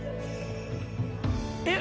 えっ。